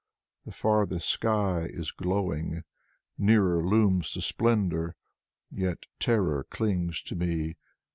The farthest sky is glowing! Nearer looms the splendor! Yet terror clings to me.